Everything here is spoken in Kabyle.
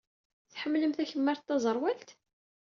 Tḥemmlem takemmart taẓerwalt?